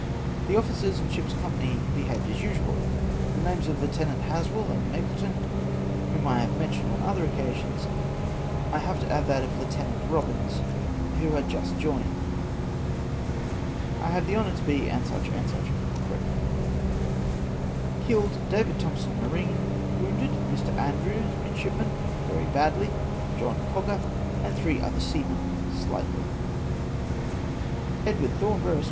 " The officers and ship's company behaved as usual ; to the names of Lieutenants Haswell and Mapleton, Avhom I have mentioned on other occasions, I have to add that of Lieutenant Kobins, who had just joined. " I have the honour to be, &c. &c. " Cochrane.'' CONSTRUCTION OF KITES. 201 " Killed. — David Thompson, marine. " Wou7ided. — Mr. Andrews, midshipman, very badly ; Jolm Coger, and three other seamen, slightly. " Edw. Thornborough, Esq.